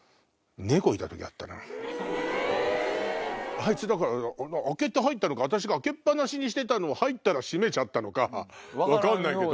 あいつ開けて入ったのか私が開けっ放しにしてたのを入ったら閉めちゃったのか分かんないけど。